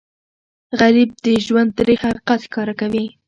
غریب د ژوند تریخ حقیقت ښکاره کوي